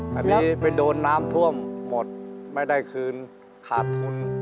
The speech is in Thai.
ตอนนี้ไปโดนน้ำท่วมหมดไม่ได้คืนขาดทุน